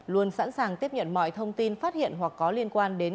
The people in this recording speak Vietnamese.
luôn sẵn sàng tiếp nhận mọi thông tin phát hiện hoặc có liên quan đến